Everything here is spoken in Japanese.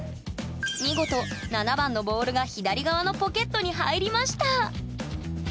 見事７番のボールが左側のポケットに入りました！